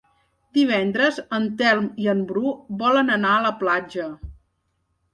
Divendres en Telm i en Bru volen anar a la platja.